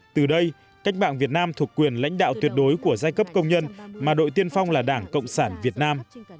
từ đây cách mạng việt nam thuộc quyền lãnh đạo tuyệt đối của giai cấp công nhân mà đội tiên phong là đảng cộng sản việt nam